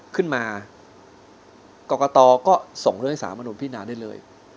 ขึ้นมากรกตก็ส่งเรื่องให้สามนุนพินาได้เลย